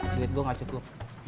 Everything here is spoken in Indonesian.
duit gua nggak cukup